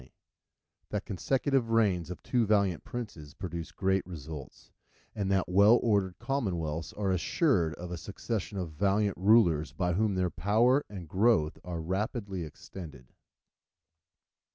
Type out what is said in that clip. —_That the consecutive Reigns of two valiant Princes produce great results: and that well ordered Commonwealths are assured of a Succession of valiant Rulers by whom their Power and Growth are rapidly extended_.